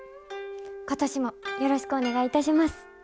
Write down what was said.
今年もよろしくお願いいたします。